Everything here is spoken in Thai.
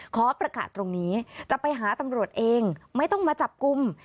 ขอประกาศตรงนี้จะไปหาตำรวจเองไม่ต้องมาจับกลุ่ม